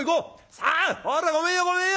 「さあほらごめんよごめんよ！